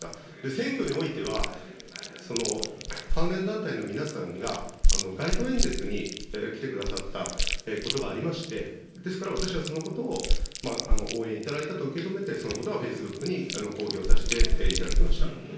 選挙においては、関連団体の皆さんが、街頭演説に来てくださったことがありまして、ですから私はそのことを応援頂いたと受け止めて、そのことはフェイスブックに公表させていただきました。